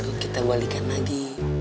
baru kita balikan lagi